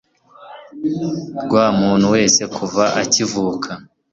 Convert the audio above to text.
rwa muntu wese kuva akivuka